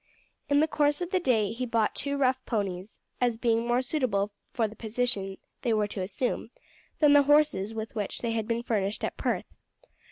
In the course of the day he bought two rough ponies, as being more suitable for the position they were to assume than the horses with which they had been furnished at Perth.